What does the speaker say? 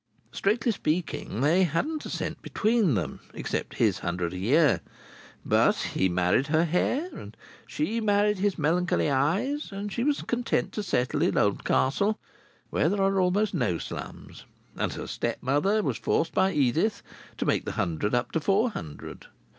Strictly speaking, they hadn't a cent between them, except his hundred a year. But he married her hair and she married his melancholy eyes; and she was content to settle in Oldcastle, where there are almost no slums. And her stepmother was forced by Edith to make the hundred up to four hundred.